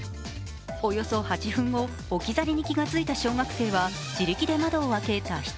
およそ８分後、置き去りに気がついた小学生は自力で窓を開け脱出。